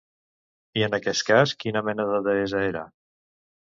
I en aquest cas, quina mena de deessa era?